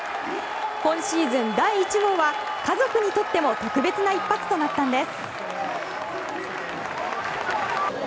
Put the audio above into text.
今シーズン第１号は家族にとっても特別な一発となったんです。